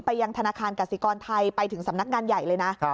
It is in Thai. ยังธนาคารกสิกรไทยไปถึงสำนักงานใหญ่เลยนะ